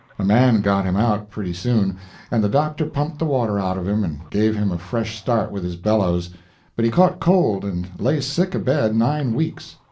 A man got him out pretty soon, and the doctor pumped the water out of him, and gave him a fresh start with his bellows, but he caught cold and lay sick abed nine weeks.